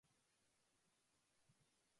これならできそう